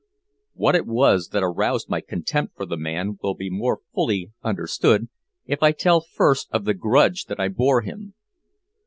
What it was that aroused my contempt for the man will be more fully understood if I tell first of the grudge that I bore him.